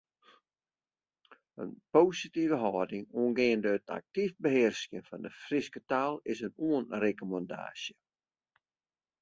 In positive hâlding oangeande it aktyf behearskjen fan de Fryske taal is in oanrekommandaasje.